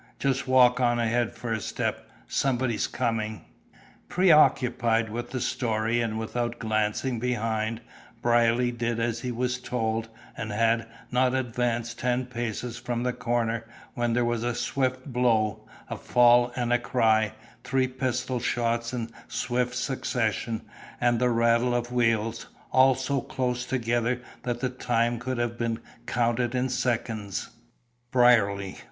Just walk on ahead for a step; somebody's coming." Preoccupied with the story, and without glancing behind, Brierly did as he was told, and had advanced not ten paces from the corner, when there was a swift blow, a fall and a cry, three pistol shots in swift succession, and the rattle of wheels; all so close together that the time could have been counted in seconds. "Brierly!